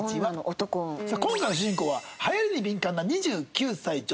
今回の主人公は流行りに敏感な２９歳女性。